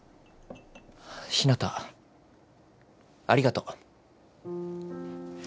ありがとう。